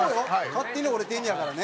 勝手に折れてるんやからね。